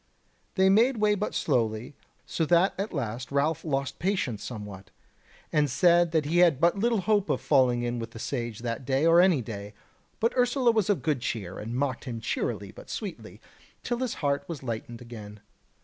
They made way but slowly, so that at last Ralph lost patience somewhat, and said that he had but little hope of falling in with the Sage that day or any day. But Ursula was of good cheer, and mocked him merrily but sweetly, till his heart was lightened again.